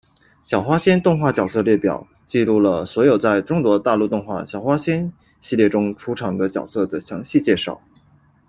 小花仙动画角色列表记录了所有在中国大陆动画《小花仙》系列中出场角色的详细介绍。